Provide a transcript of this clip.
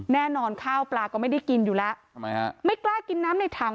ข้าวปลาก็ไม่ได้กินอยู่แล้วทำไมฮะไม่กล้ากินน้ำในถัง